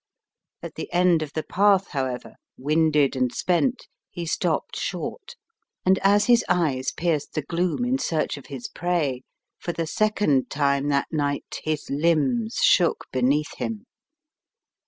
At the end of the path, however, winded and spent, he stopped short, and as his eyes pierced the gloom in search of his prey, for the second time that night, his limbs shook beneath him.